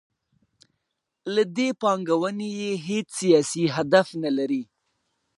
له دې پانګونې یې هیڅ سیاسي هدف نلري.